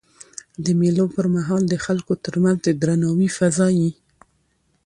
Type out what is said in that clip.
د مېلو پر مهال د خلکو ترمنځ د درناوي فضا يي.